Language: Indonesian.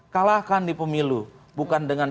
kalahkan di pemilu bukan dengan